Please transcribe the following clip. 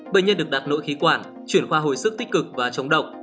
bệnh nhân được đặt nội khí quản chuyển khoa hồi sức tích cực và chống độc